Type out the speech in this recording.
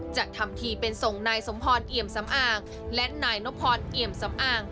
ทำทีเป็นส่งนายสมพรเอี่ยมสำอางและนายนพรเอี่ยมสำอาง